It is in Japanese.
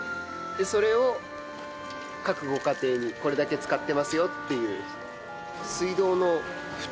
でそれを各ご家庭にこれだけ使ってますよっていう水道のフタ